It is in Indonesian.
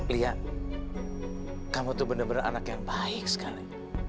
lia kamu tuh bener bener anak yang baik sekali